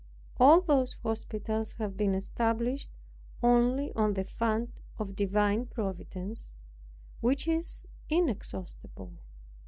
All those hospitals have been established only on the fund of divine Providence, which is inexhaustible.